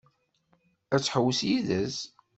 Ad tḥewwes yid-s?